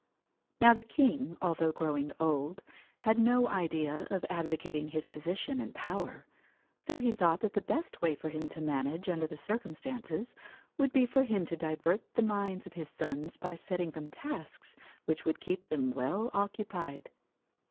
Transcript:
Now the king, although growing old, had no idea of abdicating his position and power, so he thought that the best way for him to manage under the circumstances would be for him to divert the minds of his sons by setting them tasks which would keep them well occupied.